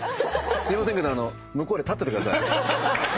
すいませんけど向こうで立っててください。